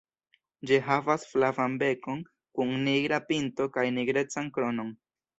Ĝi havas flavan bekon kun nigra pinto kaj nigrecan kronon.